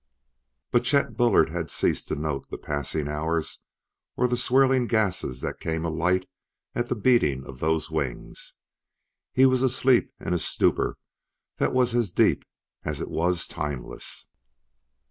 But Chet Bullard had ceased to note the passing hours or the swirling gases that came alight at the beating of those wings; he was asleep in a stupor that was as deep as it was timeless.